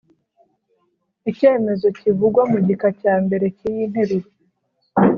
icyemezo kivugwa mu gika cya mbere cy’iyi nteruro